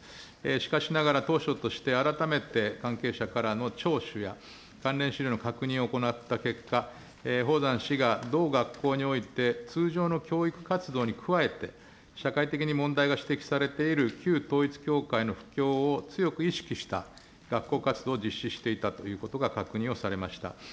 しかしながら、当初として改めて関係者からの聴取や、関連資料の確認を行った結果、宝山氏が同学校において、通常の教育活動に加えて、社会的に問題が指摘されている旧統一教会の布教を強く意識した学校活動を実施していたということが確認をされました。